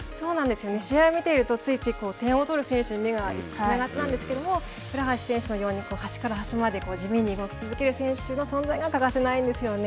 試合を見ているとついつい点を取る選手に目が行ってしまいがちなんですけど倉橋選手のように端から端まで地味に動き続ける選手の存在が欠かせないんですよね。